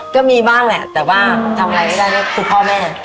ก็มีบ้างแหละแต่ว่าทำอะไรไม่ได้ก็คือพ่อแม่